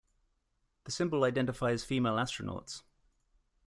The symbol identifies female astronauts.